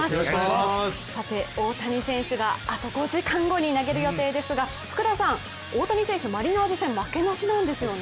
大谷選手があと５時間後に投げる予定ですが、福田さん、大谷選手マリナーズ戦負けなしなんですよね。